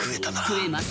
食えます。